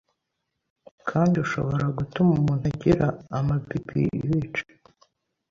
kandi ushoboragutuma umuntu agira amababiibice